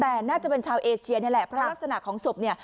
แต่น่าจะเป็นชาวเอเชียนี่แหละเพราะลักษณะของศพเนี่ย